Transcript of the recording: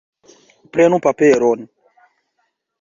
Prenu paperon.